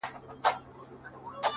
• د وروستي عدالت کور د هغه ځای دئ,